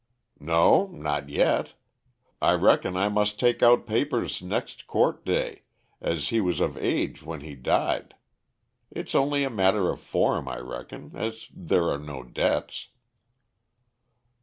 "No, not yet. I reckon I must take out papers next court day, as he was of age when he died. It's only a matter of form, I reckon, as there are no debts."